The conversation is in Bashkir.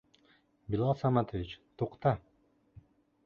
Билал Саматович, туҡта!